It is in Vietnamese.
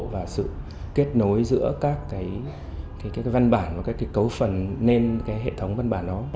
và sự kết nối giữa các văn bản và các cấu phần nên hệ thống văn bản đó